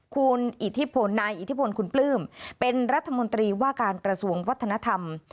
คุณอิทธิพลนายอิทธิพลคุณปลื้มเป็นรัฐมนตรีว่าการกระทรวงวัฒนธรรม